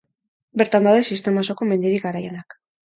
Bertan daude Sistema osoko mendirik garaienak.